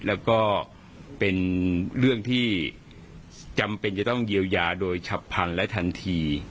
แล้วก็เป็นเรื่องที่จำเป็นจะต้องเยียวยาโดยฉับพันธ์และทันที